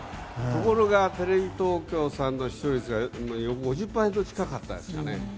ところがテレビ東京さんの視聴率が５０％近かったですかね。